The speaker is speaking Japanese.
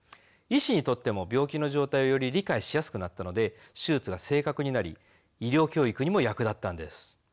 医師にとっても病気の状態をより理解しやすくなったので手術が正確になり医療教育にも役立ったんです。